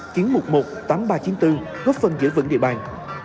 kiến mục một tám ba chín bốn góp phân giữ vững địa bàn